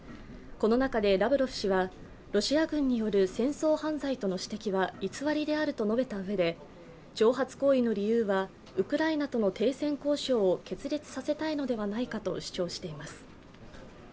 この中でラブロフ氏は、ロシア軍による戦争犯罪との指摘は偽りであると述べたうえで、挑発行為の理由はウクライナとの停戦交渉を決裂させたいのではないかと主張しています。